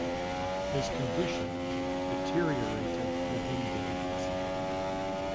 His condition deteriorated within days.